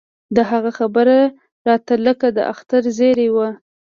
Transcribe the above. د هغه خبره راته لکه د اختر زېرى و.